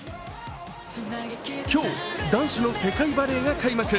今日男子の世界バレーが開幕。